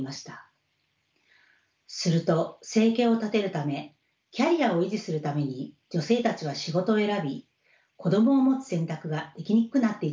すると生計を立てるためキャリアを維持するために女性たちは仕事を選び子どもを持つ選択ができにくくなっていたのです。